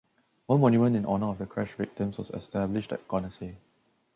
One monument in honour of the crash victims was established at Gonesse.